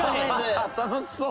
楽しそう！